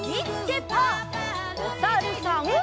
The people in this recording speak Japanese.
おさるさん。